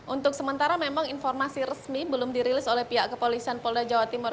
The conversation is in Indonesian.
untuk sementara memang informasi resmi belum dirilis oleh pihak kepolisian polda jawa timur